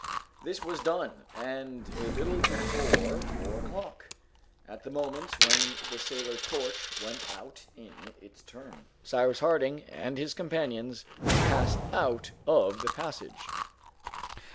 This was done, and a little before four o'clock, at the moment when the sailor's torch went out in its turn, Cyrus Harding and his companions passed out of the passage.